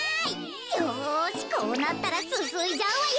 よしこうなったらすすいじゃうわよ。